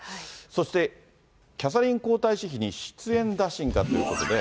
そしてキャサリン皇太子妃に出演打診かということで。